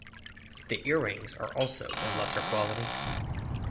The earrings are also of lesser quality.